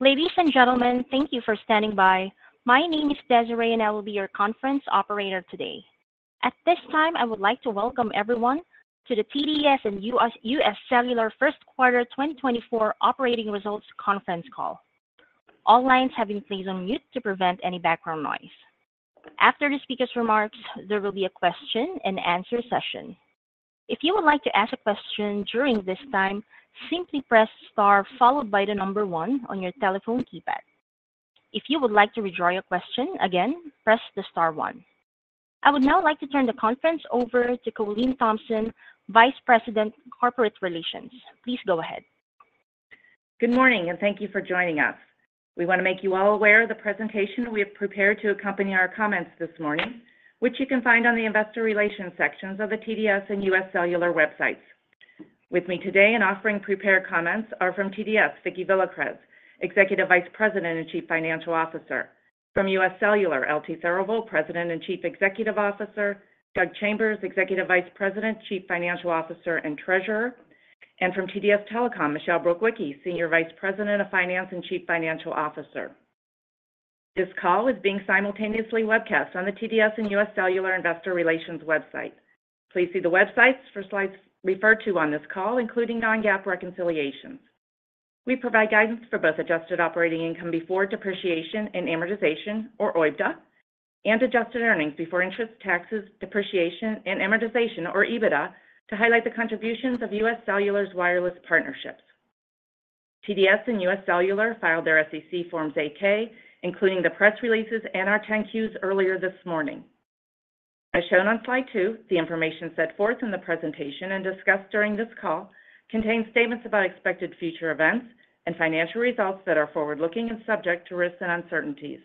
Ladies and gentlemen, thank you for standing by. My name is Desiree, and I will be your conference operator today. At this time, I would like to welcome everyone to the TDS and UScellular First Quarter 2024 Operating Results Conference Call. All lines have been placed on mute to prevent any background noise. After the speaker's remarks, there will be a question and answer session. If you would like to ask a question during this time, simply press Star followed by the number one on your telephone keypad. If you would like to withdraw your question, again, press the Star one. I would now like to turn the conference over to Colleen Thompson, Vice President, Corporate Relations. Please go ahead. Good morning, and thank you for joining us. We want to make you all aware of the presentation we have prepared to accompany our comments this morning, which you can find on the investor relations sections of the TDS and UScellular websites. With me today and offering prepared comments are from TDS, Vicki Villacrez, Executive Vice President and Chief Financial Officer. From UScellular; L.T. Therivel, President and Chief Executive Officer; Doug Chambers, Executive Vice President, Chief Financial Officer, and Treasurer; and from TDS Telecom, Michelle Brukwicki, Senior Vice President of Finance and Chief Financial Officer. This call is being simultaneously webcast on the TDS and UScellular Investor Relations website. Please see the websites for slides referred to on this call, including non-GAAP reconciliations. We provide guidance for both adjusted operating income before depreciation and amortization, or OIBDA, and adjusted earnings before interest, taxes, depreciation, and amortization, or EBITDA, to highlight the contributions of UScellular's wireless partnerships. TDS and UScellular filed their SEC Forms 8-K, including the press releases and our 10-Qs earlier this morning. As shown on Slide two, the information set forth in the presentation and discussed during this call contains statements about expected future events and financial results that are forward-looking and subject to risks and uncertainties.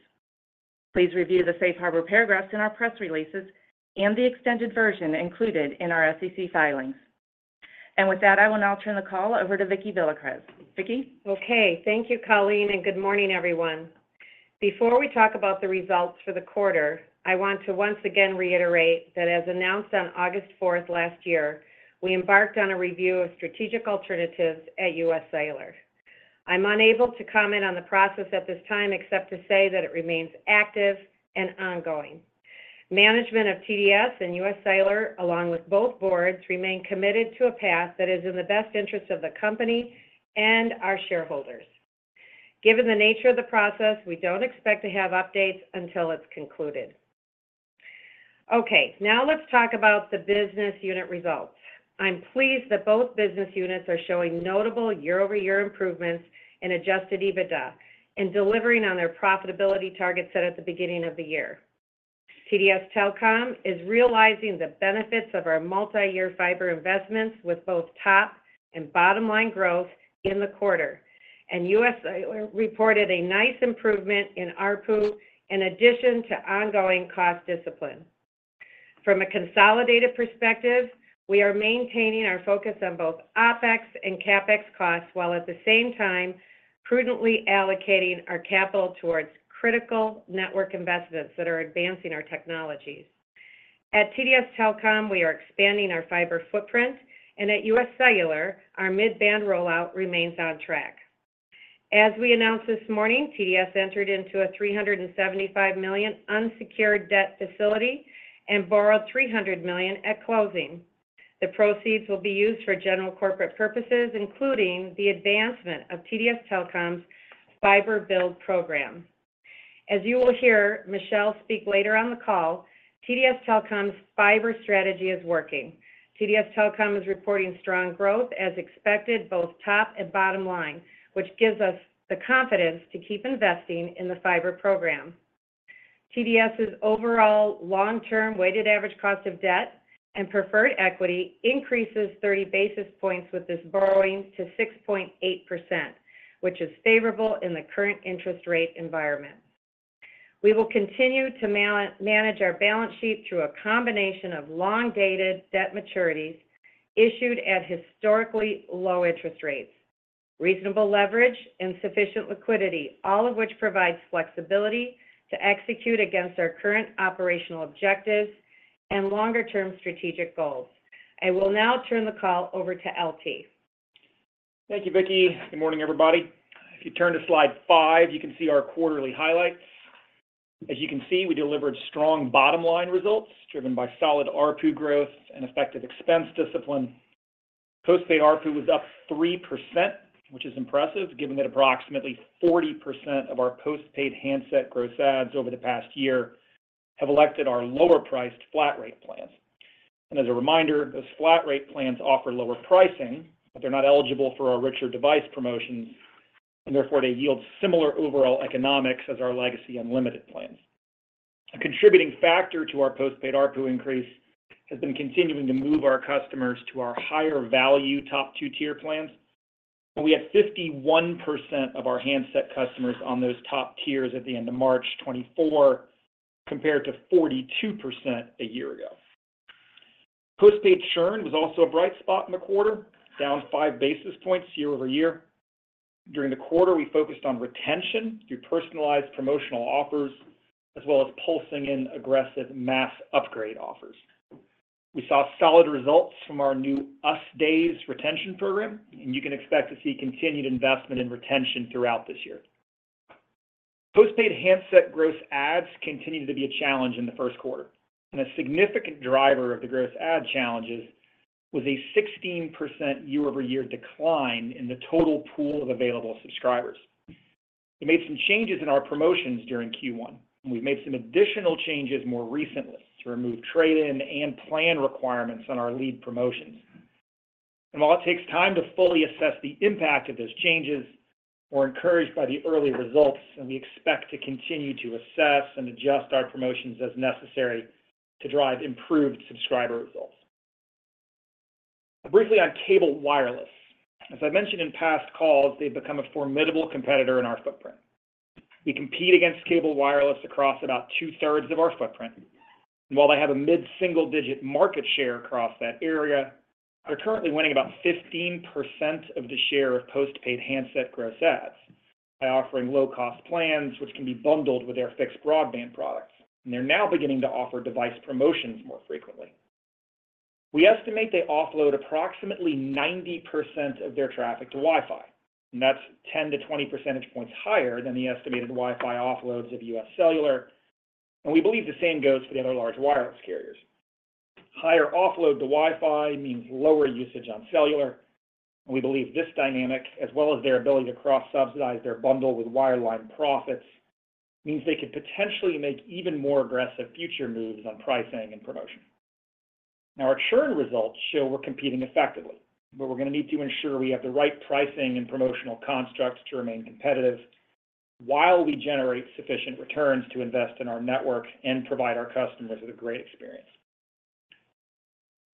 Please review the safe harbor paragraphs in our press releases and the extended version included in our SEC filings. And with that, I will now turn the call over to Vicki Villacrez. Vicki? Okay. Thank you, Colleen, and good morning, everyone. Before we talk about the results for the quarter, I want to once again reiterate that as announced on August fourth last year, we embarked on a review of strategic alternatives at UScellular. I'm unable to comment on the process at this time, except to say that it remains active and ongoing. Management of TDS and UScellular, along with both boards, remain committed to a path that is in the best interest of the company and our shareholders. Given the nature of the process, we don't expect to have updates until it's concluded. Okay, now let's talk about the business unit results. I'm pleased that both business units are showing notable year-over-year improvements in Adjusted EBITDA and delivering on their profitability targets set at the beginning of the year. TDS Telecom is realizing the benefits of our multi-year fiber investments with both top and bottom-line growth in the quarter, and UScellular reported a nice improvement in ARPU in addition to ongoing cost discipline. From a consolidated perspective, we are maintaining our focus on both OpEx and CapEx costs, while at the same time prudently allocating our capital towards critical network investments that are advancing our technologies. At TDS Telecom, we are expanding our fiber footprint, and at UScellular, our mid-band rollout remains on track. As we announced this morning, TDS entered into a $375 million unsecured debt facility and borrowed $300 million at closing. The proceeds will be used for general corporate purposes, including the advancement of TDS Telecom's fiber build program. As you will hear Michelle speak later on the call, TDS Telecom's fiber strategy is working. TDS Telecom is reporting strong growth as expected, both top and bottom line, which gives us the confidence to keep investing in the fiber program. TDS's overall long-term weighted average cost of debt and preferred equity increases 30 basis points with this borrowing to 6.8%, which is favorable in the current interest rate environment. We will continue to manage our balance sheet through a combination of long-dated debt maturities issued at historically low interest rates, reasonable leverage and sufficient liquidity, all of which provides flexibility to execute against our current operational objectives and longer term strategic goals. I will now turn the call over to L.T. Thank you, Vicki. Good morning, everybody. If you turn to Slide five, you can see our quarterly highlights. As you can see, we delivered strong bottom line results driven by solid ARPU growth and effective expense discipline. Postpaid ARPU was up 3%, which is impressive, given that approximately 40% of our postpaid handset gross adds over the past year have elected our lower priced flat rate plans. And as a reminder, those flat rate plans offer lower pricing, but they're not eligible for our richer device promotions, and therefore they yield similar overall economics as our legacy unlimited plans. A contributing factor to our postpaid ARPU increase has been continuing to move our customers to our higher value top two-tier plans, and we have 51% of our handset customers on those top tiers at the end of March 2024, compared to 42% a year ago. Postpaid churn was also a bright spot in the quarter, down five basis points year-over-year. During the quarter, we focused on retention through personalized promotional offers, as well as pulsing in aggressive mass upgrade offers. We saw solid results from our new US Days retention program, and you can expect to see continued investment in retention throughout this year. Postpaid handset gross adds continued to be a challenge in the first quarter, and a significant driver of the gross add challenges was a 16% year-over-year decline in the total pool of available subscribers. We made some changes in our promotions during Q1, and we've made some additional changes more recently to remove trade-in and plan requirements on our lead promotions. While it takes time to fully assess the impact of those changes, we're encouraged by the early results, and we expect to continue to assess and adjust our promotions as necessary to drive improved subscriber results. Briefly on cable wireless. As I mentioned in past calls, they've become a formidable competitor in our footprint. We compete against cable wireless across about two-thirds of our footprint. While they have a mid-single-digit market share across that area, they're currently winning about 15% of the share of postpaid handset gross adds by offering low-cost plans, which can be bundled with their fixed broadband products. They're now beginning to offer device promotions more frequently. We estimate they offload approximately 90% of their traffic to Wi-Fi, and that's 10-20 percentage points higher than the estimated Wi-Fi offloads of UScellular, and we believe the same goes for the other large wireless carriers. Higher offload to Wi-Fi means lower usage on cellular. We believe this dynamic, as well as their ability to cross-subsidize their bundle with wireline profits, means they could potentially make even more aggressive future moves on pricing and promotion. Now, our churn results show we're competing effectively, but we're going to need to ensure we have the right pricing and promotional constructs to remain competitive while we generate sufficient returns to invest in our network and provide our customers with a great experience.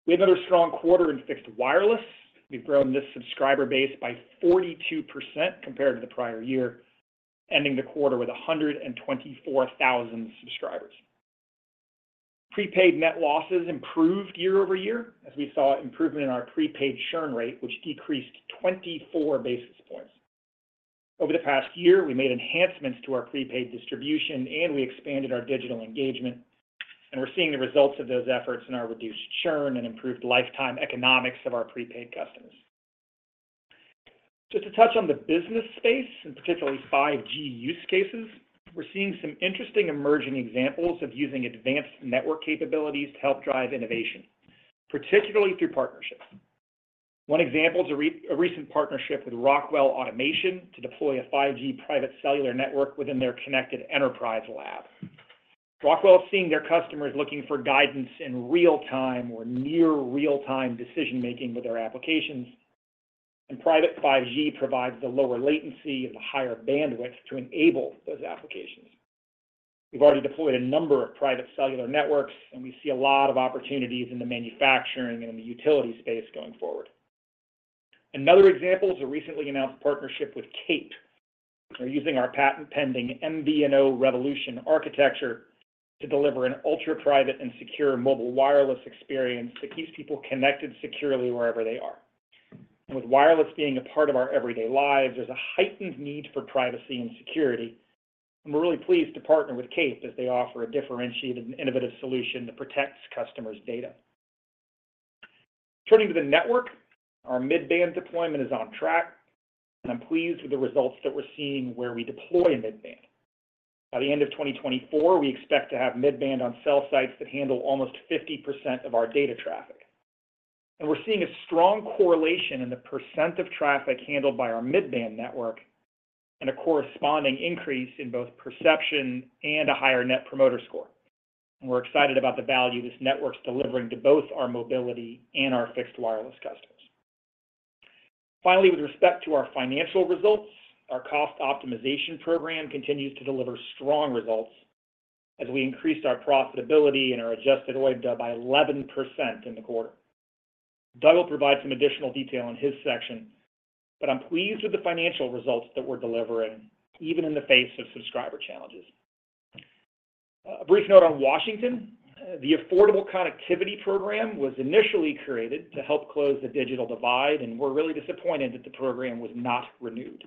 We had another strong quarter in fixed wireless. We've grown this subscriber base by 42% compared to the prior year, ending the quarter with 124,000 subscribers. Prepaid net losses improved year over year, as we saw improvement in our prepaid churn rate, which decreased 24 basis points. Over the past year, we made enhancements to our prepaid distribution, and we expanded our digital engagement, and we're seeing the results of those efforts in our reduced churn and improved lifetime economics of our prepaid customers. Just to touch on the business space, and particularly 5G use cases, we're seeing some interesting emerging examples of using advanced network capabilities to help drive innovation, particularly through partnerships. One example is a recent partnership with Rockwell Automation to deploy a private cellular network within their Connected Enterprise Lab. Rockwell is seeing their customers looking for guidance in real time or near real-time decision-making with their applications, and private 5G provides the lower latency and the higher bandwidth to enable those applications. We've already deployed a number of private cellular networks, and we see a lot of opportunities in the manufacturing and the utility space going forward. Another example is a recently announced partnership with Cape. They're using our patent-pending MVNO revolutionary architecture to deliver an ultra-private and secure mobile wireless experience that keeps people connected securely wherever they are. And with wireless being a part of our everyday lives, there's a heightened need for privacy and security, and we're really pleased to partner with Cape as they offer a differentiated and innovative solution that protects customers' data. Turning to the network, our mid-band deployment is on track, and I'm pleased with the results that we're seeing where we deploy mid-band. By the end of 2024, we expect to have mid-band on cell sites that handle almost 50% of our data traffic. And we're seeing a strong correlation in the percent of traffic handled by our mid-band network and a corresponding increase in both perception and a higher Net Promoter Score. We're excited about the value this network's delivering to both our mobility and our fixed wireless customers. Finally, with respect to our financial results, our cost optimization program continues to deliver strong results as we increased our profitability and our Adjusted OIBDA by 11% in the quarter. Doug will provide some additional detail in his section, but I'm pleased with the financial results that we're delivering, even in the face of subscriber challenges. A brief note on Washington. The Affordable Connectivity Program was initially created to help close the digital divide, and we're really disappointed that the program was not renewed.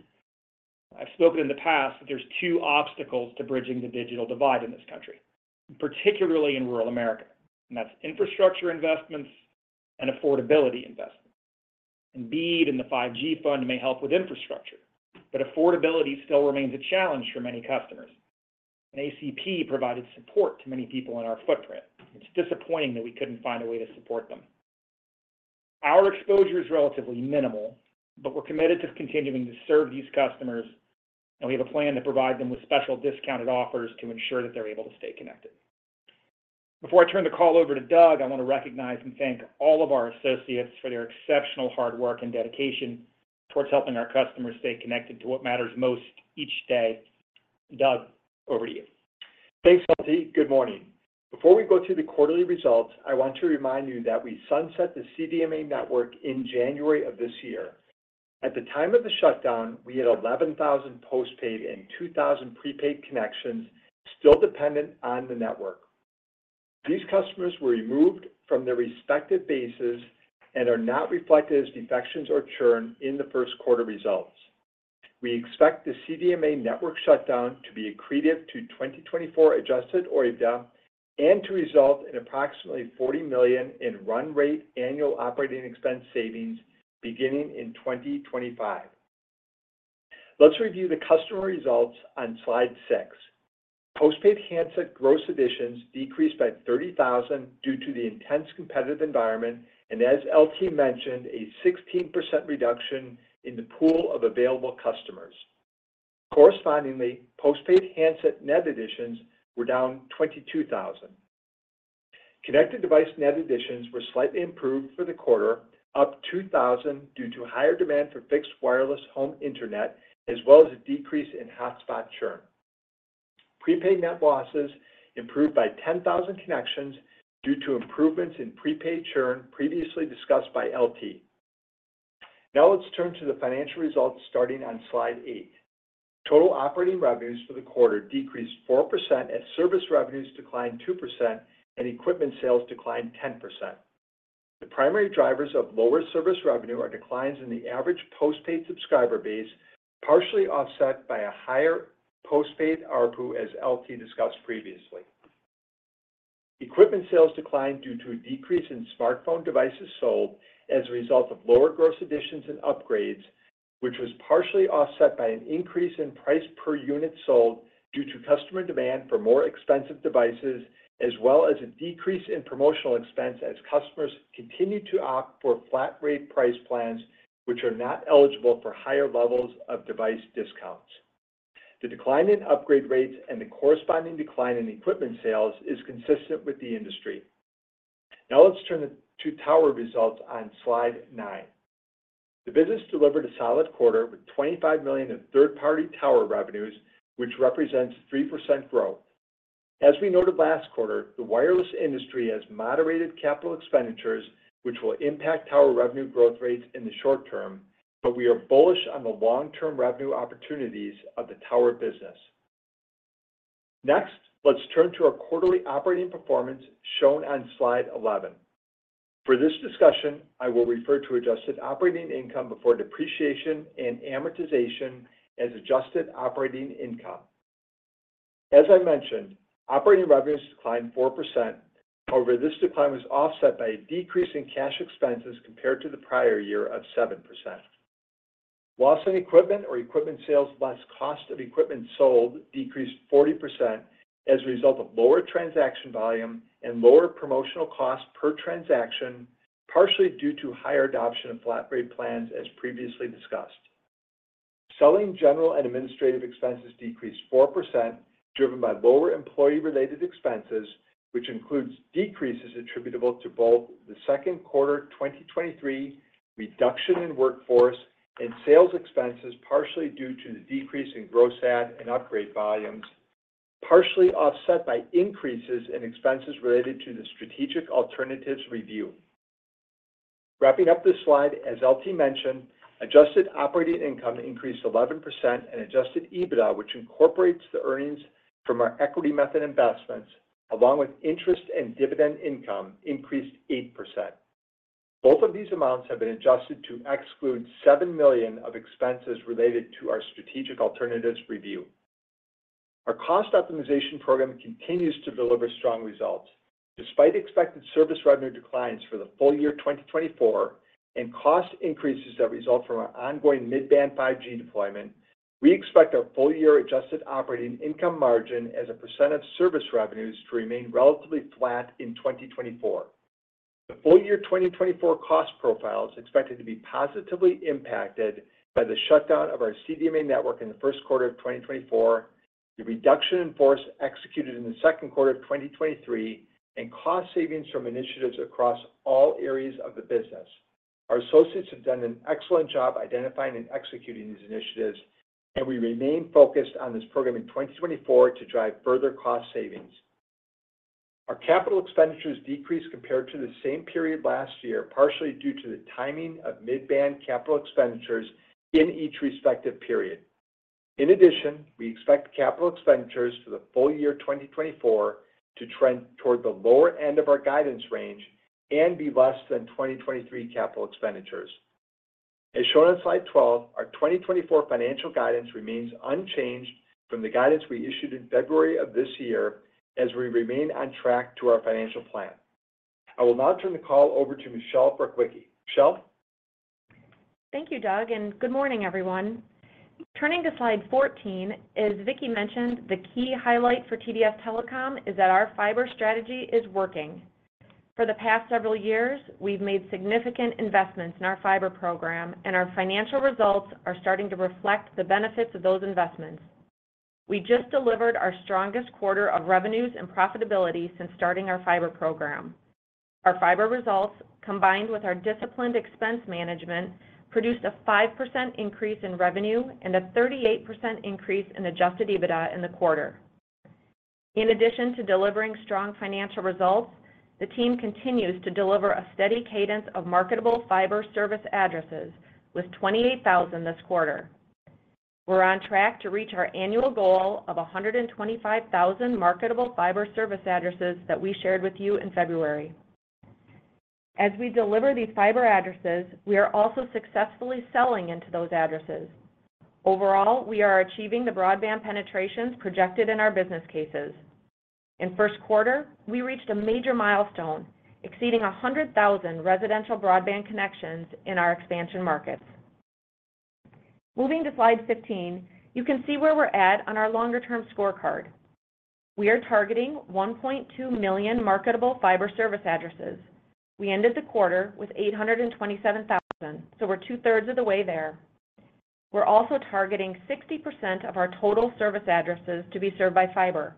I've spoken in the past that there's two obstacles to bridging the digital divide in this country, particularly in rural America, and that's infrastructure investments and affordability investments. BEAD and the 5G Fund may help with infrastructure, but affordability still remains a challenge for many customers, and ACP provided support to many people in our footprint. It's disappointing that we couldn't find a way to support them. Our exposure is relatively minimal, but we're committed to continuing to serve these customers, and we have a plan to provide them with special discounted offers to ensure that they're able to stay connected. Before I turn the call over to Doug, I want to recognize and thank all of our associates for their exceptional hard work and dedication towards helping our customers stay connected to what matters most each day. Doug, over to you. Thanks, L.T. Good morning. Before we go through the quarterly results, I want to remind you that we sunset the CDMA network in January of this year. At the time of the shutdown, we had 11,000 postpaid and 2,000 prepaid connections still dependent on the network. These customers were removed from their respective bases and are not reflected as defections or churn in the first quarter results. We expect the CDMA network shutdown to be accretive to 2024 adjusted OIBDA, and to result in approximately $40 million in run rate annual operating expense savings beginning in 2025. Let's review the customer results on Slide 6. Postpaid handset gross additions decreased by 30,000 due to the intense competitive environment, and as L.T. mentioned, a 16% reduction in the pool of available customers. Correspondingly, postpaid handset net additions were down 22,000. Connected device net additions were slightly improved for the quarter, up 2,000, due to higher demand for fixed wireless home internet, as well as a decrease in hotspot churn. Prepaid net losses improved by 10,000 connections due to improvements in prepaid churn previously discussed by L.T. Now let's turn to the financial results starting on slide 8. Total operating revenues for the quarter decreased 4%, as service revenues declined 2% and equipment sales declined 10%. The primary drivers of lower service revenue are declines in the average postpaid subscriber base, partially offset by a higher postpaid ARPU, as L.T. discussed previously. Equipment sales declined due to a decrease in smartphone devices sold as a result of lower gross additions and upgrades, which was partially offset by an increase in price per unit sold due to customer demand for more expensive devices, as well as a decrease in promotional expense as customers continued to opt for flat rate price plans, which are not eligible for higher levels of device discounts. The decline in upgrade rates and the corresponding decline in equipment sales is consistent with the industry. Now let's turn to tower results on slide nine. The business delivered a solid quarter, with $25 million in third-party tower revenues, which represents 3% growth. As we noted last quarter, the wireless industry has moderated capital expenditures, which will impact tower revenue growth rates in the short term, but we are bullish on the long-term revenue opportunities of the tower business. Next, let's turn to our quarterly operating performance, shown on Slide 11. For this discussion, I will refer to adjusted operating income before depreciation and amortization as adjusted operating income. As I mentioned, operating revenues declined 4%. However, this decline was offset by a decrease in cash expenses compared to the prior year of 7%. Loss on equipment or equipment sales plus cost of equipment sold decreased 40% as a result of lower transaction volume and lower promotional costs per transaction, partially due to higher adoption of flat rate plans, as previously discussed. Selling general and administrative expenses decreased 4%, driven by lower employee-related expenses, which includes decreases attributable to both the second quarter 2023 reduction in workforce and sales expenses, partially due to the decrease in gross add and upgrade volumes, partially offset by increases in expenses related to the strategic alternatives review. Wrapping up this slide, as L.T. mentioned, Adjusted Operating Income increased 11% and Adjusted EBITDA, which incorporates the earnings from our equity method investments, along with interest and dividend income, increased 8%. Both of these amounts have been adjusted to exclude $7 million of expenses related to our strategic alternatives review. Our cost optimization program continues to deliver strong results. Despite expected service revenue declines for the full year 2024 and cost increases that result from our ongoing mid-band 5G deployment, we expect our full-year adjusted operating income margin as a percent of service revenues to remain relatively flat in 2024. The full year 2024 cost profile is expected to be positively impacted by the shutdown of our CDMA network in the first quarter of 2024, the reduction in force executed in the second quarter of 2023, and cost savings from initiatives across all areas of the business. Our associates have done an excellent job identifying and executing these initiatives, and we remain focused on this program in 2024 to drive further cost savings. Our capital expenditures decreased compared to the same period last year, partially due to the timing of mid-band capital expenditures in each respective period. In addition, we expect capital expenditures for the full year 2024 to trend toward the lower end of our guidance range and be less than 2023 capital expenditures. As shown on Slide 12, our 2024 financial guidance remains unchanged from the guidance we issued in February of this year, as we remain on track to our financial plan. I will now turn the call over to Michelle Brukwicki. Michelle? Thank you, Doug, and good morning, everyone. Turning to Slide 14, as Vicki mentioned, the key highlight for TDS Telecom is that our fiber strategy is working. For the past several years, we've made significant investments in our fiber program, and our financial results are starting to reflect the benefits of those investments. We just delivered our strongest quarter of revenues and profitability since starting our fiber program. Our fiber results, combined with our disciplined expense management, produced a 5% increase in revenue and a 38% increase in Adjusted EBITDA in the quarter. In addition to delivering strong financial results, the team continues to deliver a steady cadence of marketable fiber service addresses with 28,000 this quarter. We're on track to reach our annual goal of 125,000 marketable fiber service addresses that we shared with you in February. As we deliver these fiber addresses, we are also successfully selling into those addresses. Overall, we are achieving the broadband penetrations projected in our business cases. In first quarter, we reached a major milestone, exceeding 100,000 residential broadband connections in our expansion markets. Moving to Slide 15, you can see where we're at on our longer-term scorecard. We are targeting 1.2 million marketable fiber service addresses. We ended the quarter with 827,000, so we're two-thirds of the way there. We're also targeting 60% of our total service addresses to be served by fiber.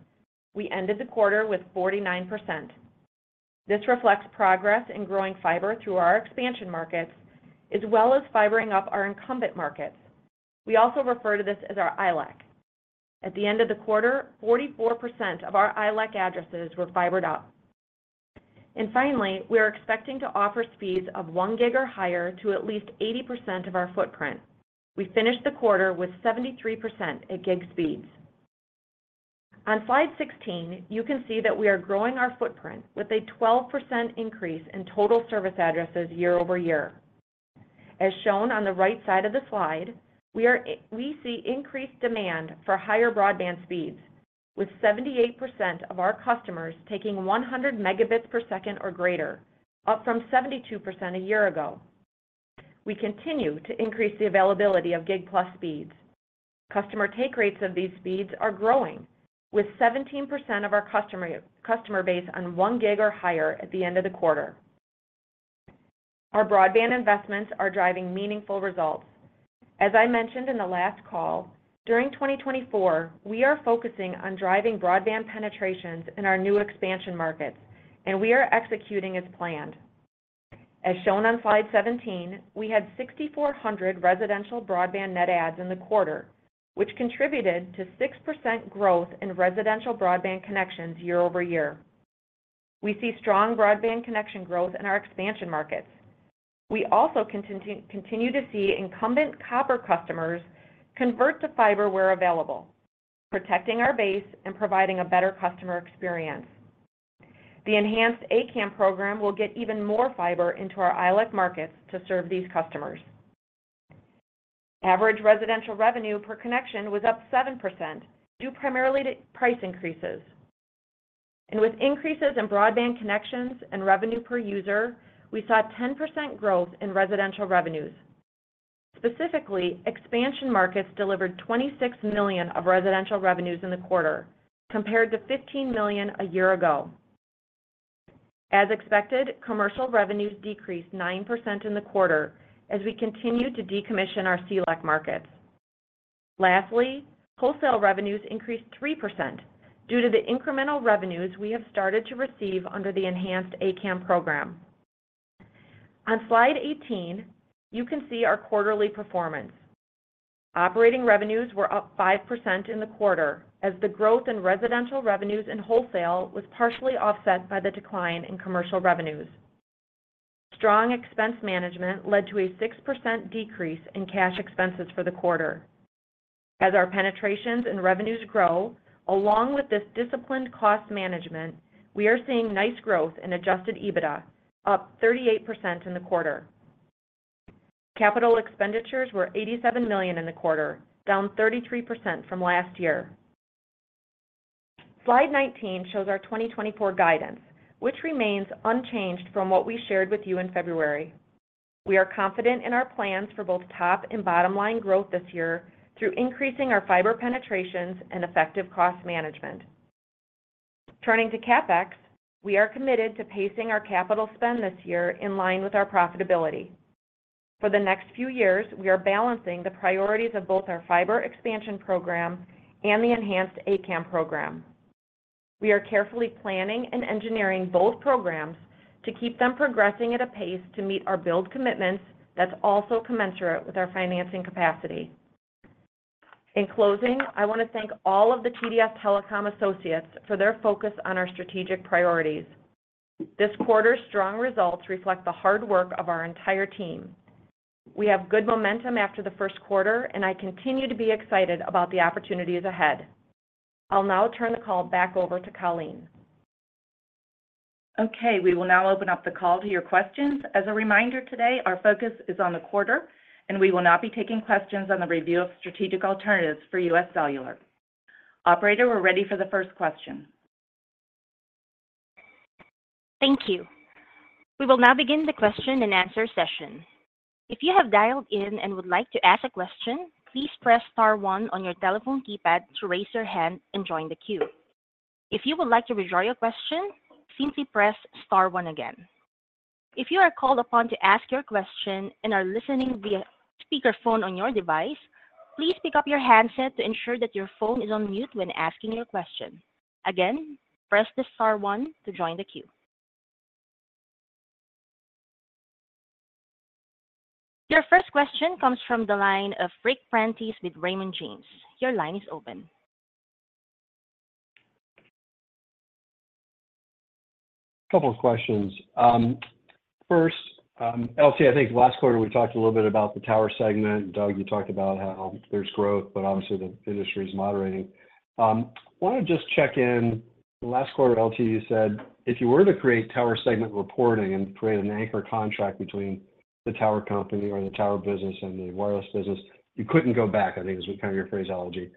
We ended the quarter with 49%. This reflects progress in growing fiber through our expansion markets, as well as fibering up our incumbent markets. We also refer to this as our ILEC. At the end of the quarter, 44% of our ILEC addresses were fibered up. And finally, we are expecting to offer speeds of 1 gig or higher to at least 80% of our footprint. We finished the quarter with 73% at gig speeds. On Slide 16, you can see that we are growing our footprint with a 12% increase in total service addresses year-over-year. As shown on the right side of the slide, we see increased demand for higher broadband speeds, with 78% of our customers taking 100 megabits per second or greater, up from 72% a year ago. We continue to increase the availability of gig plus speeds. Customer take rates of these speeds are growing, with 17% of our customer base on 1 gig or higher at the end of the quarter. Our broadband investments are driving meaningful results. As I mentioned in the last call, during 2024, we are focusing on driving broadband penetrations in our new expansion markets, and we are executing as planned. As shown on Slide 17, we had 6,400 residential broadband net adds in the quarter, which contributed to 6% growth in residential broadband connections year-over-year. We see strong broadband connection growth in our expansion markets. We also continue to see incumbent copper customers convert to fiber where available, protecting our base and providing a better customer experience. The Enhanced ACAM program will get even more fiber into our ILEC markets to serve these customers. Average residential revenue per connection was up 7%, due primarily to price increases. With increases in broadband connections and revenue per user, we saw 10% growth in residential revenues. Specifically, expansion markets delivered $26 million of residential revenues in the quarter, compared to $15 million a year ago. As expected, commercial revenues decreased 9% in the quarter as we continued to decommission our CLEC markets. Lastly, wholesale revenues increased 3% due to the incremental revenues we have started to receive under the Enhanced ACAM program. On Slide 18, you can see our quarterly performance. Operating revenues were up 5% in the quarter, as the growth in residential revenues and wholesale was partially offset by the decline in commercial revenues. Strong expense management led to a 6% decrease in cash expenses for the quarter. As our penetrations and revenues grow, along with this disciplined cost management, we are seeing nice growth in adjusted EBITDA, up 38% in the quarter. Capital expenditures were $87 million in the quarter, down 33% from last year. Slide 19 shows our 2024 guidance, which remains unchanged from what we shared with you in February. We are confident in our plans for both top and bottom-line growth this year through increasing our fiber penetrations and effective cost management. Turning to CapEx, we are committed to pacing our capital spend this year in line with our profitability. For the next few years, we are balancing the priorities of both our fiber expansion program and the Enhanced ACAM program. We are carefully planning and engineering both programs to keep them progressing at a pace to meet our build commitments that's also commensurate with our financing capacity. In closing, I want to thank all of the TDS Telecom associates for their focus on our strategic priorities. This quarter's strong results reflect the hard work of our entire team. We have good momentum after the first quarter, and I continue to be excited about the opportunities ahead. I'll now turn the call back over to Colleen. Okay, we will now open up the call to your questions. As a reminder today, our focus is on the quarter, and we will not be taking questions on the review of strategic alternatives for UScellular. Operator, we're ready for the first question. Thank you. We will now begin the question and answer session. If you have dialed in and would like to ask a question, please press star one on your telephone keypad to raise your hand and join the queue. If you would like to withdraw your question, simply press star one again. If you are called upon to ask your question and are listening via speakerphone on your device, please pick up your handset to ensure that your phone is on mute when asking your question. Again, press the star one to join the queue. Your first question comes from the line of Ric Prentiss with Raymond James. Your line is open. Couple of questions. First, L.T., I think last quarter we talked a little bit about the tower segment, and Doug, you talked about how there's growth, but obviously the industry is moderating. Wanted to just check in. Last quarter, L.T., you said if you were to create tower segment reporting and create an anchor contract between the tower company or the tower business and the wireless business, you couldn't go back, I think was kind of your phraseology.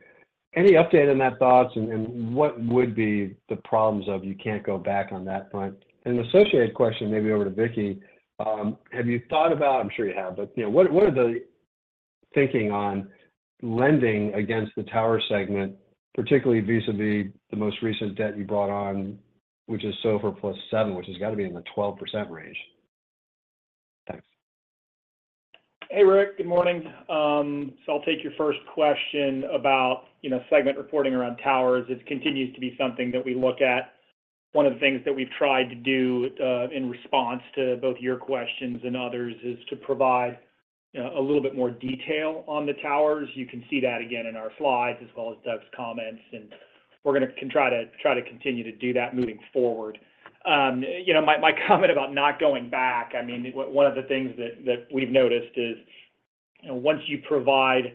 Any update on that thoughts, and, and what would be the problems of you can't go back on that front? An associated question, maybe over to Vicki. Have you thought about—I'm sure you have, but, you know, what, what are the thinking on lending against the tower segment, particularly vis-à-vis the most recent debt you brought on, which is SOFR plus 7, which has got to be in the 12% range? Thanks. Hey, Ric`. Good morning. So I'll take your first question about, you know, segment reporting around towers. It continues to be something that we look at. One of the things that we've tried to do, in response to both your questions and others, is to provide a little bit more detail on the towers. You can see that again in our slides, as well as Doug's comments, and we're gonna try to continue to do that moving forward. You know, my comment about not going back, I mean, one of the things that we've noticed is, you know, once you provide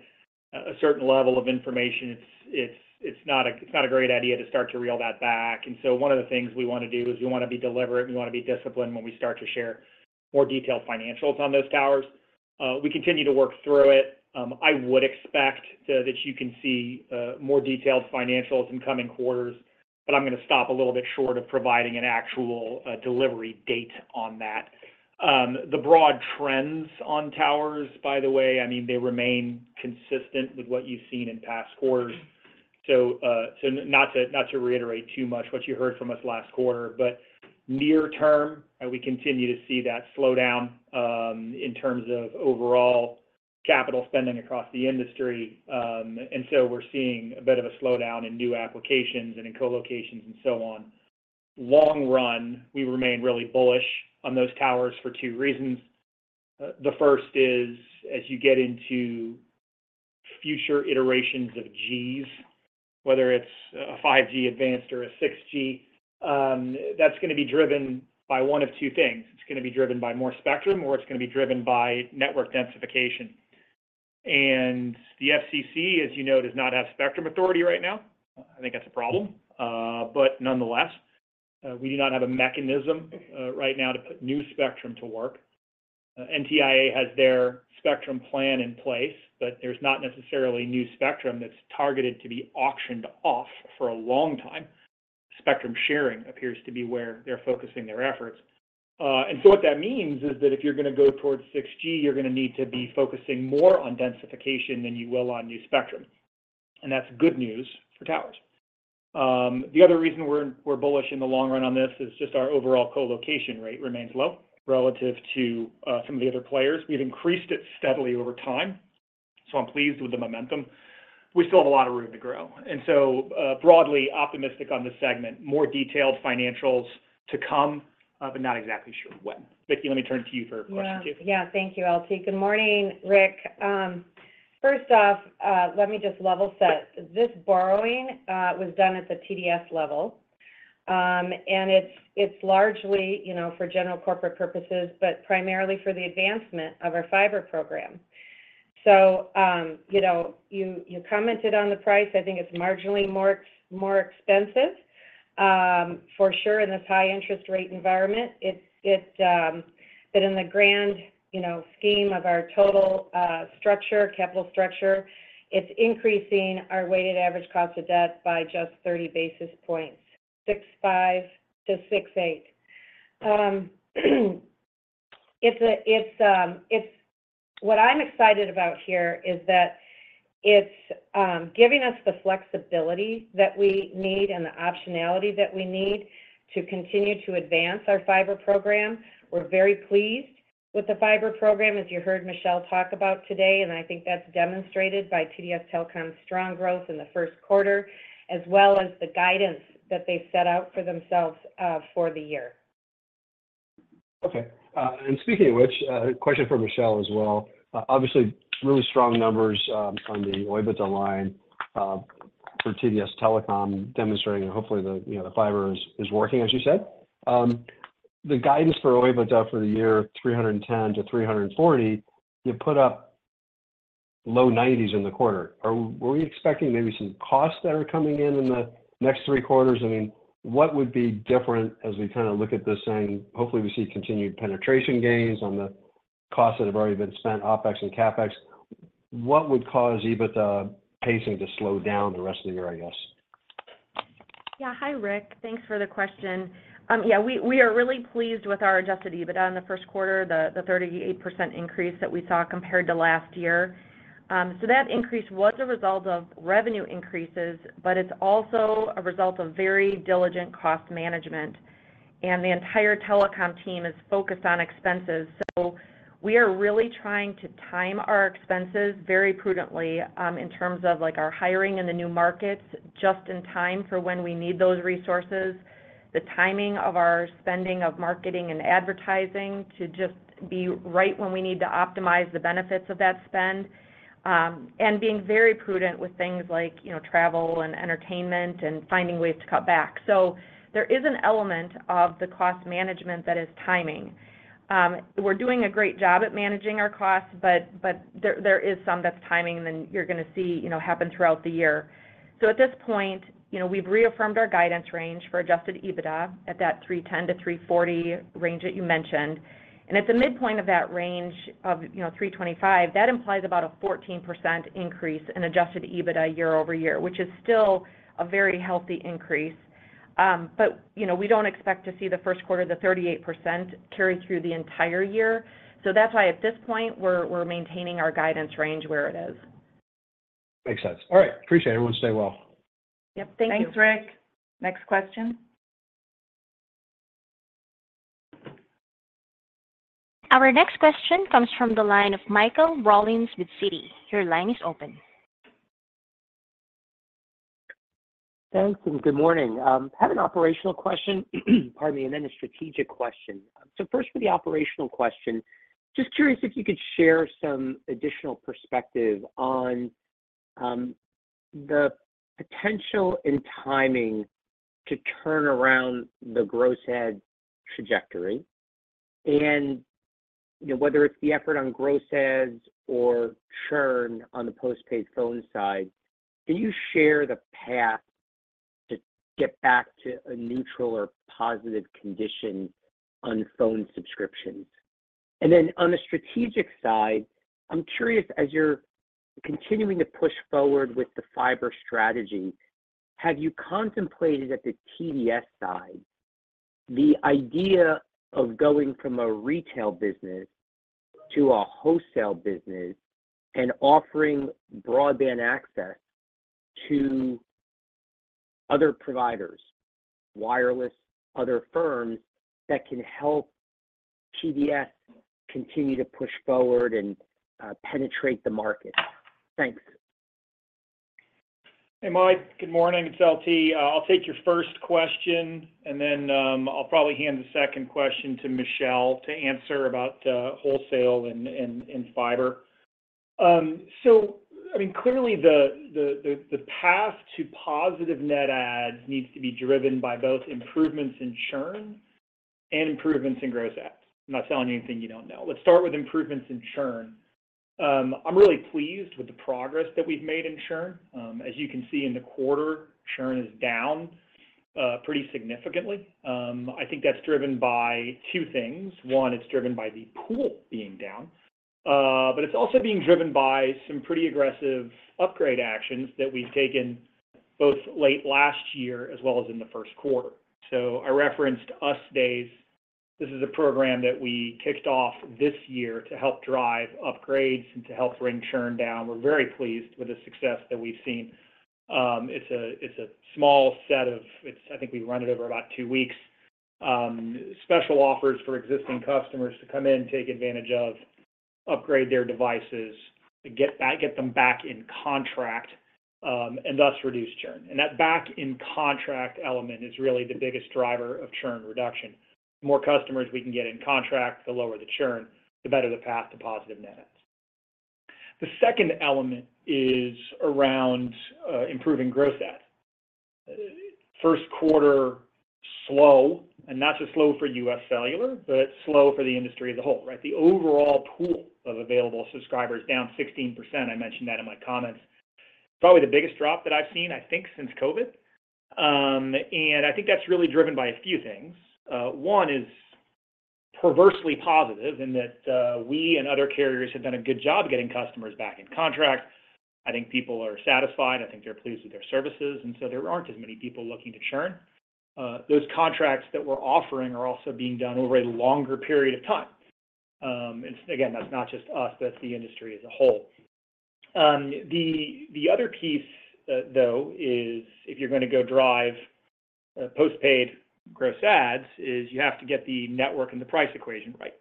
a certain level of information, it's not a great idea to start to reel that back. One of the things we wanna do is we wanna be deliberate, we wanna be disciplined when we start to share more detailed financials on those towers. We continue to work through it. I would expect that you can see more detailed financials in coming quarters, but I'm gonna stop a little bit short of providing an actual delivery date on that. The broad trends on towers, by the way, I mean, they remain consistent with what you've seen in past quarters. So not to reiterate too much what you heard from us last quarter, but near term, and we continue to see that slowdown in terms of overall capital spending across the industry. And so we're seeing a bit of a slowdown in new applications and in co-locations and so on. Long run, we remain really bullish on those towers for two reasons. The first is, as you get into future iterations of Gs, whether it's a 5G advanced or a 6G, that's gonna be driven by one of two things. It's gonna be driven by more spectrum, or it's gonna be driven by network densification. And the FCC, as you know, does not have spectrum authority right now. I think that's a problem. But nonetheless, we do not have a mechanism right now to put new spectrum to work. NTIA has their spectrum plan in place, but there's not necessarily new spectrum that's targeted to be auctioned off for a long time. Spectrum sharing appears to be where they're focusing their efforts. And so what that means is that if you're gonna go towards 6G, you're gonna need to be focusing more on densification than you will on new spectrum, and that's good news for towers. The other reason we're bullish in the long run on this is just our overall co-location rate remains low relative to some of the other players. We've increased it steadily over time, so I'm pleased with the momentum. We still have a lot of room to grow, and so broadly optimistic on this segment. More detailed financials to come, but not exactly sure when. Vicki, let me turn to you for question two. Yeah. Yeah, thank you, L.T. Good morning, Ric. First off, let me just level set. This borrowing was done at the TDS level, and it's, it's largely, you know, for general corporate purposes, but primarily for the advancement of our fiber program. So, you know, you, you commented on the price. I think it's marginally more, more expensive, for sure, in this high interest rate environment. It's it, but in the grand, you know, scheme of our total, structure, capital structure, it's increasing our weighted average cost of debt by just 30 basis points, 6.5-6.8. It's a it's, it's what I'm excited about here is that it's giving us the flexibility that we need and the optionality that we need to continue to advance our fiber program. We're very pleased with the fiber program, as you heard Michelle talk about today, and I think that's demonstrated by TDS Telecom's strong growth in the first quarter, as well as the guidance that they've set out for themselves, for the year. Okay, and speaking of which, question for Michelle as well. Obviously, really strong numbers on the OIBDA line for TDS Telecom, demonstrating and hopefully the, you know, the fiber is working, as you said. The guidance for OIBDA for the year, $310-$340, you put up low $90s in the quarter. Were we expecting maybe some costs that are coming in in the next three quarters? I mean, what would be different as we kind of look at this and hopefully we see continued penetration gains on the costs that have already been spent, OpEx and CapEx? What would cause EBITDA pacing to slow down the rest of the year, I guess? Yeah. Hi, Ric. Thanks for the question. Yeah, we are really pleased with our Adjusted EBITDA in the first quarter, the 38% increase that we saw compared to last year. So that increase was a result of revenue increases, but it's also a result of very diligent cost management, and the entire telecom team is focused on expenses. So we are really trying to time our expenses very prudently, in terms of, like, our hiring in the new markets, just in time for when we need those resources, the timing of our spending of marketing and advertising to just be right when we need to optimize the benefits of that spend, and being very prudent with things like, you know, travel and entertainment and finding ways to cut back. So there is an element of the cost management that is timing. We're doing a great job at managing our costs, but there is some that's timing, and you're going to see, you know, happen throughout the year. So at this point, you know, we've reaffirmed our guidance range for Adjusted EBITDA at that $310-$340 range that you mentioned. And at the midpoint of that range of, you know, 325, that implies about a 14% increase in Adjusted EBITDA year over year, which is still a very healthy increase. But, you know, we don't expect to see the first quarter, the 38% carry through the entire year. So that's why at this point, we're maintaining our guidance range where it is. Makes sense. All right, appreciate it. Everyone stay well. Yep. Thank you. Thanks, Ric. Next question. Our next question comes from the line of Michael Rollins with Citi. Your line is open. Thanks, and good morning. I have an operational question, pardon me, and then a strategic question. So first, for the operational question, just curious if you could share some additional perspective on, the potential and timing to turn around the gross add trajectory, and, you know, whether it's the effort on gross adds or churn on the postpaid phone side, can you share the path to get back to a neutral or positive condition on phone subscriptions? And then on the strategic side, I'm curious, as you're continuing to push forward with the fiber strategy, have you contemplated at the TDS side, the idea of going from a retail business to a wholesale business and offering broadband access to other providers, wireless, other firms, that can help TDS continue to push forward and, penetrate the market? Thanks. Hey, Mike, good morning. It's LT. I'll take your first question, and then I'll probably hand the second question to Michelle to answer about wholesale and fiber. So I mean, clearly, the path to positive net adds needs to be driven by both improvements in churn and improvements in gross adds. I'm not telling you anything you don't know. Let's start with improvements in churn. I'm really pleased with the progress that we've made in churn. As you can see in the quarter, churn is down pretty significantly. I think that's driven by two things. One, it's driven by the pool being down, but it's also being driven by some pretty aggressive upgrade actions that we've taken both late last year as well as in the first quarter. So I referenced US Days. This is a program that we kicked off this year to help drive upgrades and to help bring churn down. We're very pleased with the success that we've seen. It's a small set of—it's. I think we run it over about two weeks, special offers for existing customers to come in and take advantage of, upgrade their devices, get them back in contract, and thus reduce churn. And that back in contract element is really the biggest driver of churn reduction. More customers we can get in contract, the lower the churn, the better the path to positive net adds. The second element is around improving gross add. First quarter slow, and not just slow for UScellular, but slow for the industry as a whole, right? The overall pool of available subscribers down 16%. I mentioned that in my comments. Probably the biggest drop that I've seen, I think, since COVID. I think that's really driven by a few things. One is perversely positive in that we and other carriers have done a good job getting customers back in contract. I think people are satisfied. I think they're pleased with their services, and so there aren't as many people looking to churn. Those contracts that we're offering are also being done over a longer period of time. Again, that's not just us, that's the industry as a whole. The other piece, though, is if you're going to go drive postpaid gross adds, is you have to get the network and the price equation right.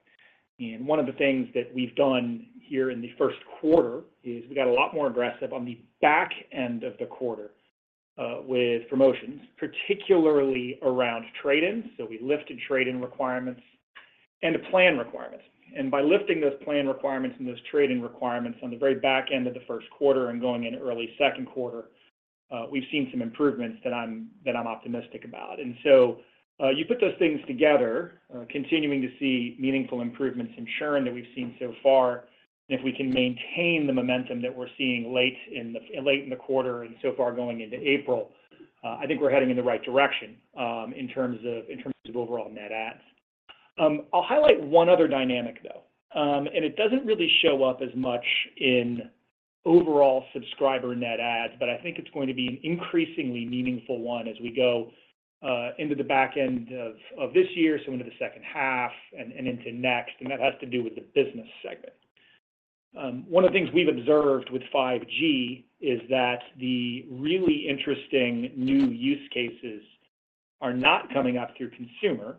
One of the things that we've done here in the first quarter is we got a lot more aggressive on the back end of the quarter with promotions, particularly around trade-ins. So we lifted trade-in requirements and the plan requirements. And by lifting those plan requirements and those trade-in requirements on the very back end of the first quarter and going in early second quarter, we've seen some improvements that I'm optimistic about. And so you put those things together, continuing to see meaningful improvements in churn that we've seen so far, and if we can maintain the momentum that we're seeing late in the quarter and so far going into April, I think we're heading in the right direction in terms of overall net adds. I'll highlight one other dynamic, though. And it doesn't really show up as much in overall subscriber net adds, but I think it's going to be an increasingly meaningful one as we go into the back end of this year, so into the second half and into next, and that has to do with the business segment. One of the things we've observed with 5G is that the really interesting new use cases are not coming up through consumer.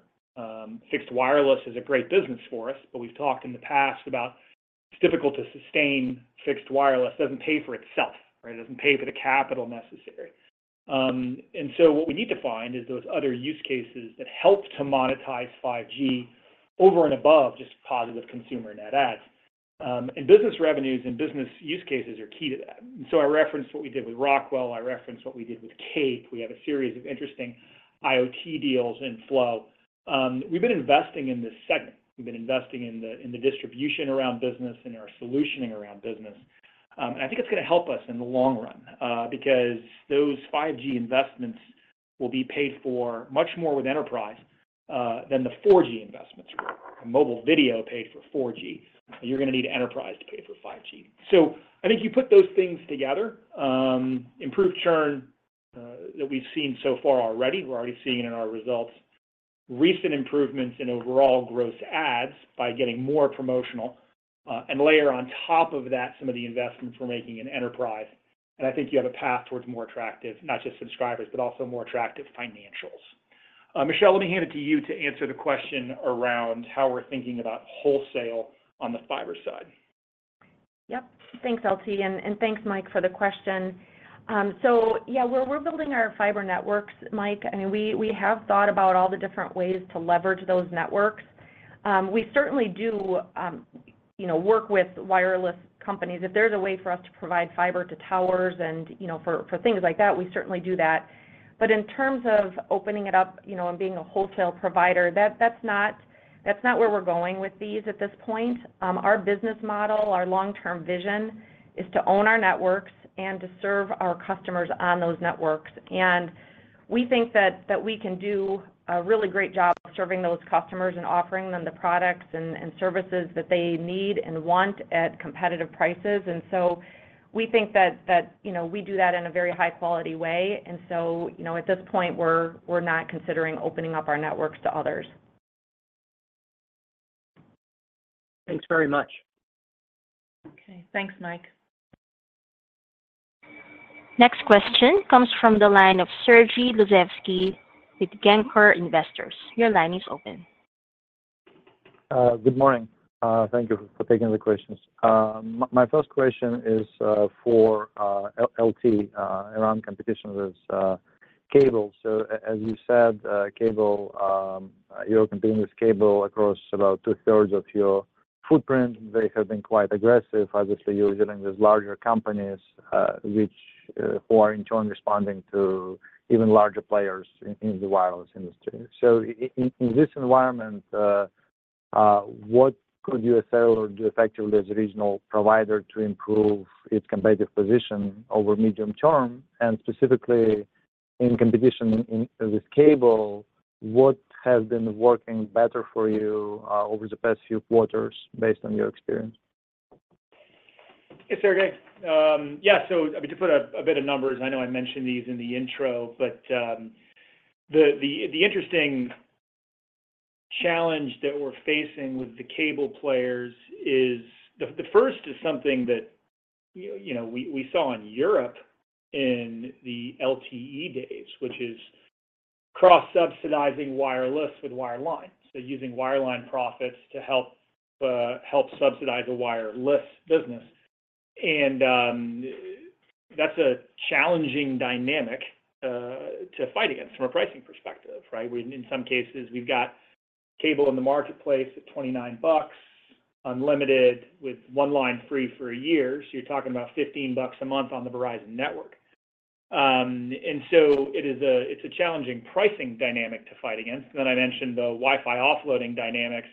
Fixed wireless is a great business for us, but we've talked in the past about it's difficult to sustain fixed wireless. Doesn't pay for itself, right? It doesn't pay for the capital necessary. And so what we need to find is those other use cases that help to monetize 5G over and above just positive consumer net adds. And business revenues and business use cases are key to that. So I referenced what we did with Rockwell, I referenced what we did with Cape. We have a series of interesting IoT deals in flow. We've been investing in this segment. We've been investing in the, in the distribution around business and our solutioning around business. And I think it's gonna help us in the long run, because those 5G investments will be paid for much more with enterprise, than the 4G investments were. Mobile video paid for 4G, and you're gonna need enterprise to pay for 5G. So I think you put those things together, improved churn, that we've seen so far already, we're already seeing it in our results. Recent improvements in overall gross adds by getting more promotional, and layer on top of that, some of the investments we're making in enterprise, and I think you have a path towards more attractive, not just subscribers, but also more attractive financials. Michelle, let me hand it to you to answer the question around how we're thinking about wholesale on the fiber side. Yep. Thanks, LT, and thanks, Mike, for the question. So yeah, well, we're building our fiber networks, Mike, and we have thought about all the different ways to leverage those networks. We certainly do, you know, work with wireless companies. If there's a way for us to provide fiber to towers and, you know, for things like that, we certainly do that. But in terms of opening it up, you know, and being a wholesale provider, that's not where we're going with these at this point. Our business model, our long-term vision, is to own our networks and to serve our customers on those networks. And we think that we can do a really great job serving those customers and offering them the products and services that they need and want at competitive prices. We think that, you know, we do that in a very high-quality way. You know, at this point, we're not considering opening up our networks to others. Thanks very much. Okay. Thanks, Mike. Next question comes from the line of Sergey Dluzhevskiy with GAMCO Investors. Your line is open. Good morning. Thank you for taking the questions. My first question is for L.T., around competition with cable. So as you said, cable, you're competing with cable across about two-thirds of your footprint. They have been quite aggressive. Obviously, you're dealing with larger companies, which who are in turn responding to even larger players in the wireless industry. So in this environment, what could you sell or do effectively as a regional provider to improve its competitive position over medium term? And specifically, in competition with cable, what has been working better for you over the past few quarters based on your experience? Hey, Sergey. Yeah, so to put a bit of numbers, I know I mentioned these in the intro, but the interesting challenge that we're facing with the cable players is... The first is something that you know, we saw in Europe in the LTE days, which is cross-subsidizing wireless with wireline. So using wireline profits to help subsidize the wireless business. And that's a challenging dynamic to fight against from a pricing perspective, right? When in some cases, we've got cable in the marketplace at $29 unlimited, with one line free for a year. So you're talking about $15 a month on the Verizon network. And so it is, it's a challenging pricing dynamic to fight against. Then I mentioned the Wi-Fi offloading dynamics.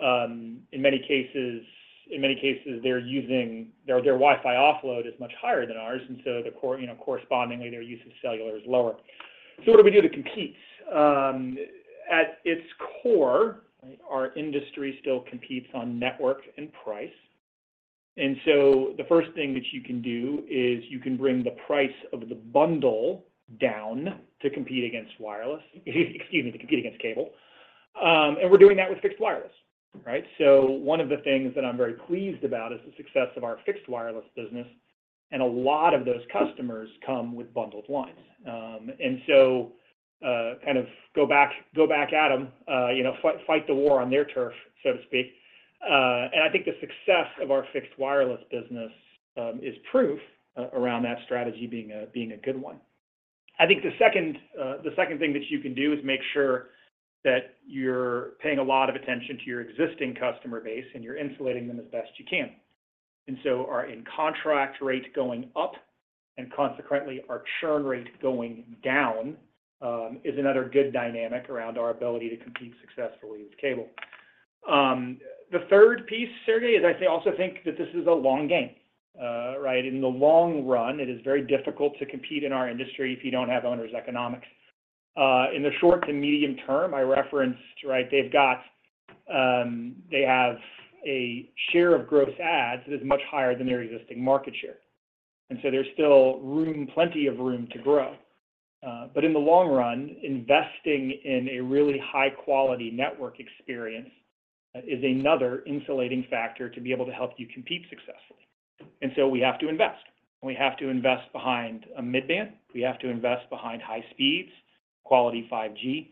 In many cases, in many cases, they're using their Wi-Fi offload is much higher than ours, and so you know, correspondingly, their use of cellular is lower. So what do we do to compete? At its core, our industry still competes on network and price. And so the first thing that you can do is you can bring the price of the bundle down to compete against wireless, excuse me, to compete against cable. And we're doing that with fixed wireless, right? So one of the things that I'm very pleased about is the success of our fixed wireless business, and a lot of those customers come with bundled lines. And so, kind of go back, go back at them, you know, fight, fight the war on their turf, so to speak. I think the success of our fixed wireless business is proof around that strategy being a good one. I think the second, the second thing that you can do is make sure that you're paying a lot of attention to your existing customer base, and you're insulating them as best you can. And so our in-contract rate going up and consequently, our churn rate going down is another good dynamic around our ability to compete successfully with cable. The third piece, Sergey, is I also think that this is a long game, right? In the long run, it is very difficult to compete in our industry if you don't have owners' economics. In the short to medium term, I referenced, right, they've got, they have a share of gross adds that is much higher than their existing market share... and so there's still room, plenty of room to grow. But in the long run, investing in a really high-quality network experience is another insulating factor to be able to help you compete successfully. And so we have to invest. We have to invest behind a mid-band, we have to invest behind high speeds, quality 5G,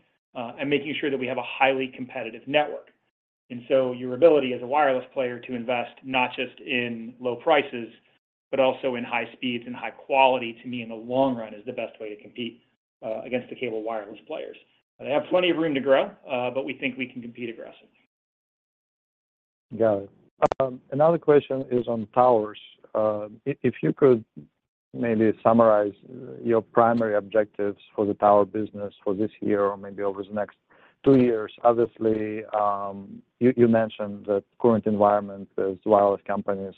and making sure that we have a highly competitive network. And so your ability as a wireless player to invest not just in low prices, but also in high speeds and high quality, to me, in the long run, is the best way to compete against the cable wireless players. They have plenty of room to grow, but we think we can compete aggressively. Got it. Another question is on towers. If you could maybe summarize your primary objectives for the tower business for this year or maybe over the next two years. Obviously, you mentioned the current environment as wireless companies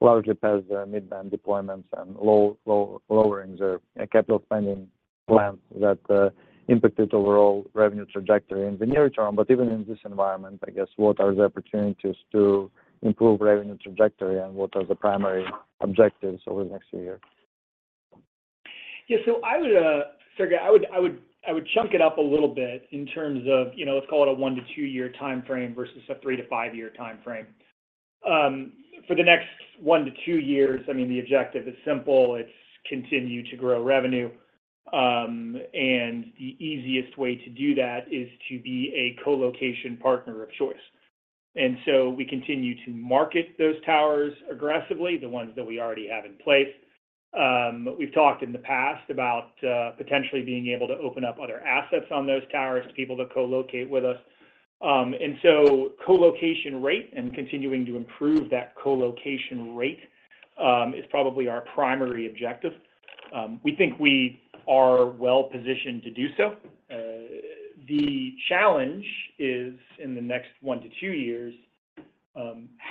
largely pass their mid-band deployments and lowering their capital spending plans that impacted overall revenue trajectory in the near term. But even in this environment, I guess, what are the opportunities to improve revenue trajectory, and what are the primary objectives over the next few years? Yeah, so I would, Sergey, chunk it up a little bit in terms of, you know, let's call it a one to two-year timeframe versus a three to five-year timeframe. For the next one to two years, I mean, the objective is simple: it's continue to grow revenue. And the easiest way to do that is to be a co-location partner of choice. And so we continue to market those towers aggressively, the ones that we already have in place. We've talked in the past about potentially being able to open up other assets on those towers to people to co-locate with us. And so co-location rate and continuing to improve that co-location rate is probably our primary objective. We think we are well positioned to do so. The challenge is, in the next one to two years,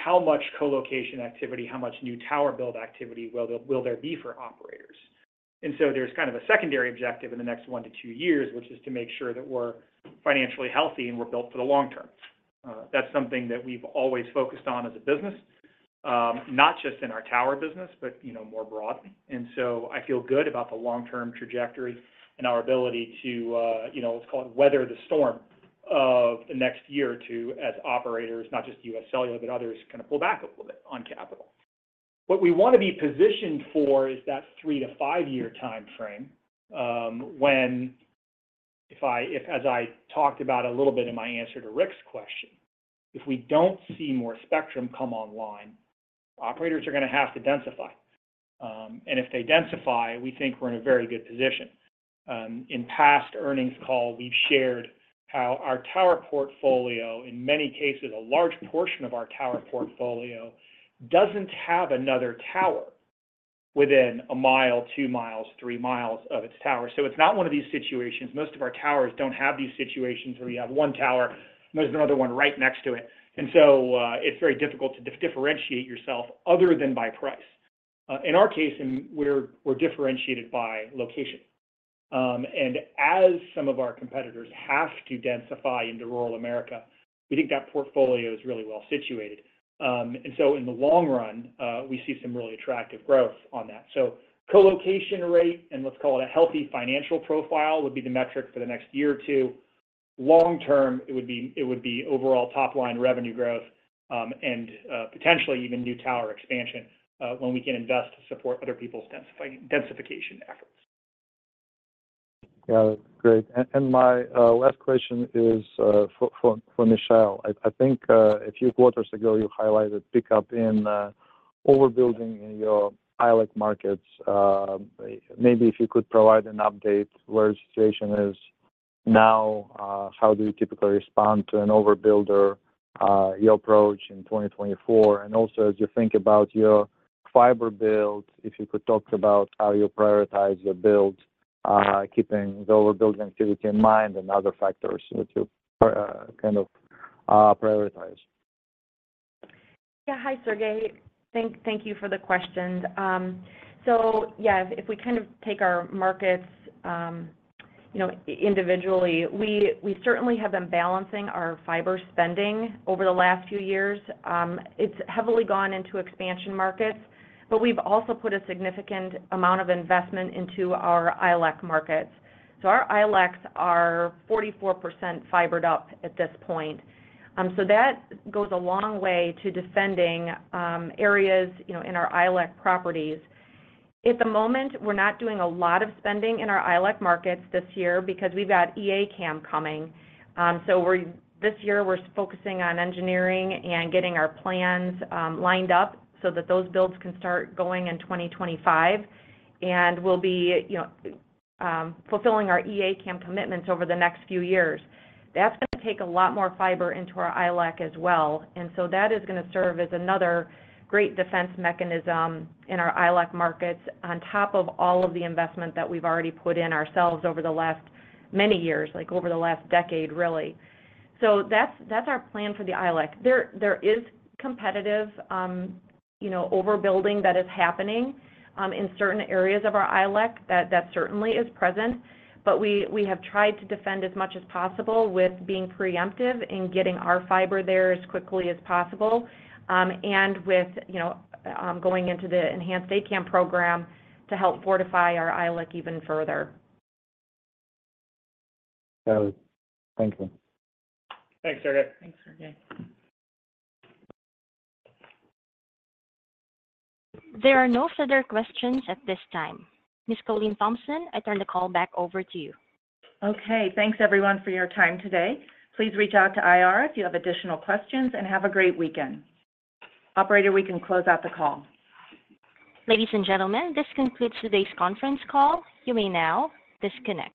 how much co-location activity, how much new tower build activity will there be for operators? So there's kind of a secondary objective in the next one to two years, which is to make sure that we're financially healthy and we're built for the long term. That's something that we've always focused on as a business, not just in our tower business, but, you know, more broadly. And so I feel good about the long-term trajectory and our ability to, you know, let's call it, weather the storm of the next year or two as operators, not just UScellular, but others, kind of pull back a little bit on capital. What we want to be positioned for is that three to five year timeframe, when, if—as I talked about a little bit in my answer to Ric's question—if we don't see more spectrum come online, operators are going to have to densify. And if they densify, we think we're in a very good position. In past earnings call, we've shared how our tower portfolio, in many cases, a large portion of our tower portfolio, doesn't have another tower within a mile, two miles, three miles of its tower. So it's not one of these situations. Most of our towers don't have these situations where you have one tower, and there's another one right next to it. And so, it's very difficult to differentiate yourself other than by price. In our case, we're differentiated by location. And as some of our competitors have to densify into rural America, we think that portfolio is really well situated. And so in the long run, we see some really attractive growth on that. So co-location rate, and let's call it a healthy financial profile, would be the metric for the next year or two. Long term, it would be, it would be overall top-line revenue growth, and potentially even new tower expansion, when we can invest to support other people's densification efforts. Yeah, great. And my last question is for Michelle. I think a few quarters ago, you highlighted pickup in overbuilding in your ILEC markets. Maybe if you could provide an update where the situation is now, how do you typically respond to an overbuilder, your approach in 2024? And also, as you think about your fiber build, if you could talk about how you prioritize your build, keeping the overbuild activity in mind and other factors that you pri- kind of prioritize. Yeah. Hi, Sergey. Thank, thank you for the questions. So yeah, if we kind of take our markets, you know, individually, we certainly have been balancing our fiber spending over the last few years. It's heavily gone into expansion markets, but we've also put a significant amount of investment into our ILEC markets. So our ILECs are 44% fibered up at this point. So that goes a long way to defending areas, you know, in our ILEC properties. At the moment, we're not doing a lot of spending in our ILEC markets this year because we've got Enhanced ACAM coming. So this year, we're focusing on engineering and getting our plans lined up so that those builds can start going in 2025. And we'll be, you know, fulfilling our Enhanced ACAM commitments over the next few years. That's going to take a lot more fiber into our ILEC as well, and so that is gonna serve as another great defense mechanism in our ILEC markets, on top of all of the investment that we've already put in ourselves over the last many years, like, over the last decade, really. So that's our plan for the ILEC. There is competitive, you know, overbuilding that is happening in certain areas of our ILEC. That certainly is present, but we have tried to defend as much as possible with being preemptive in getting our fiber there as quickly as possible, and with, you know, going into the Enhanced ACAM program to help fortify our ILEC even further. Got it. Thank you. Thanks, Sergey. Thanks, Sergey. There are no further questions at this time. Ms. Colleen Thompson, I turn the call back over to you. Okay. Thanks, everyone, for your time today. Please reach out to IR if you have additional questions, and have a great weekend. Operator, we can close out the call. Ladies and gentlemen, this concludes today's conference call. You may now disconnect.